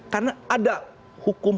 karena ada hukum